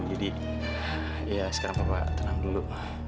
jadi ya sekarang papa tenang dulu